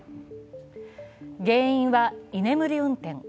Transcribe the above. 原因は居眠り運転。